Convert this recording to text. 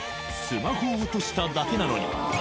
「スマホを落としただけなのに」